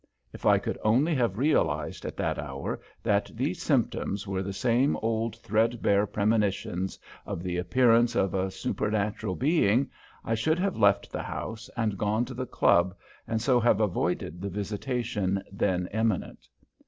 If I could only have realized at that hour that these symptoms were the same old threadbare premonitions of the appearance of a supernatural being, I should have left the house and gone to the club, and so have avoided the visitation then imminent.